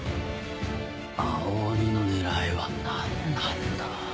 青鬼の狙いは何なんだ？